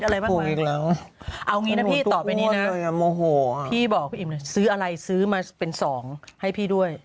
เอาอย่างงี้นะพี่ตอบไปนี้นะพี่บอกซื้ออะไรซื้อมาเป็น๒ให้พี่ด้วย